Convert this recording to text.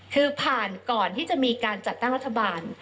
คือผ่านก่อนที่จะมีการจัดตั้งรัฐบาล